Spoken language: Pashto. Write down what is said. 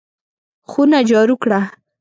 خونه جارو کړه!